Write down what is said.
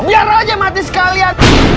biar aja mati sekalian